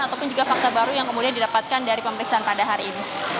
ataupun juga fakta baru yang kemudian didapatkan dari pemeriksaan pada hari ini